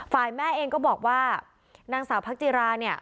ฝ่ายแม่เองก็บอกว่านางสาวพักจิราเนี่ย